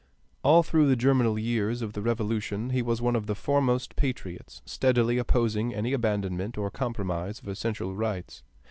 All through the germinal years of the Revolution he was one of the foremost patriots, steadily opposing any abandonment or compromise of essential rights.